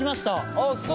あっそう。